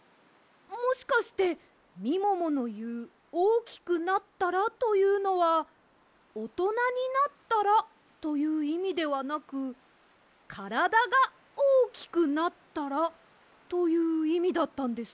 もしかしてみもものいう「おおきくなったら」というのは「おとなになったら」といういみではなく「からだがおおきくなったら」といういみだったんですか？